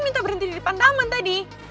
minta berhenti di depan taman tadi